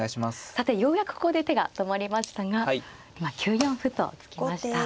さてようやくここで手が止まりましたが今９四歩と突きました。